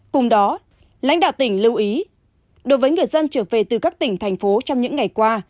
cùng đó lãnh đạo tỉnh lưu ý đối với người dân trở về từ các tỉnh thành phố trong những ngày qua